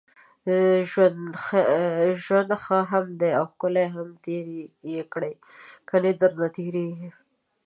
ژوند ښه هم دی اوښکلی هم دی تېر يې کړئ، کني درنه تېريږي